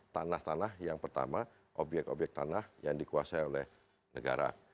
tanah tanah yang pertama obyek obyek tanah yang dikuasai oleh negara